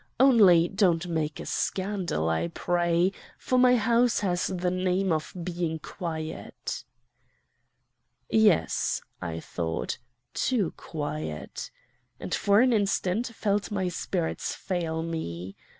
Only don't make a scandal, I pray, for my house has the name of being quiet.' "'Yes,' thought I, 'too quiet!' and for an instant felt my spirits fail me.